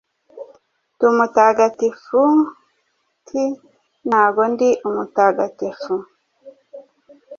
Ndi umutagafuti ntago ndi umutagatifu